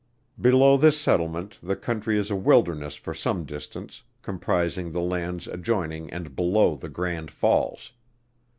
Below this settlement the country is a wilderness for some distance, comprising the lands adjoining and below the Grand Falls.